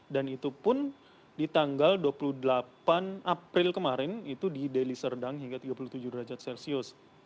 dan itu pun di tanggal dua puluh delapan april kemarin itu di delhi serdang hingga tiga puluh tujuh derajat celcius